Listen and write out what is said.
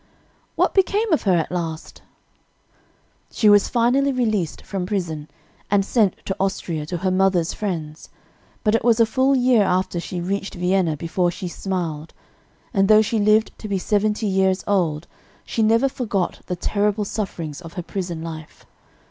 "What became of her at last?" "She was finally released from prison, and sent to Austria to her mother's friends; but it was a full year after she reached Vienna before she smiled; and though she lived to be seventy years old, she never forgot the terrible sufferings of her prison life.